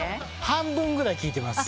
半分ぐらい聞いてます。